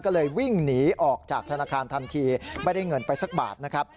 ก็เลยวิ่งหนีออกจากธนาคารทันทีไม่ได้เงินไปสักบาทนะครับ